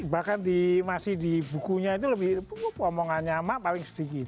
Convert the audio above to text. bahkan di masih di bukunya itu lebih omongannya emak paling sedikit